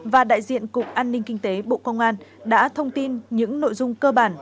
và đại diện cục an ninh kinh tế bộ công an đã thông tin những nội dung cơ bản